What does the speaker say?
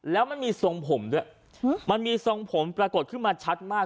แล้วมันมีทรงผมด้วยมันมีทรงผมปรากฏขึ้นมาชัดมาก